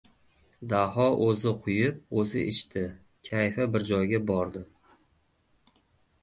Daho o‘zi quyib, o‘zi ichdi. Kayfi bir joyga bordi.